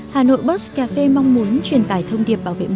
hà nội bus cà phê mong muốn truyền tải thông điệp bảo vệ môi trường